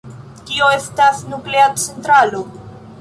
Kio estas nuklea centralo?